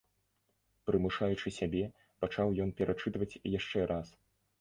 Прымушаючы сябе, пачаў ён перачытваць яшчэ раз.